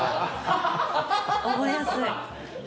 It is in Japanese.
覚えやすい。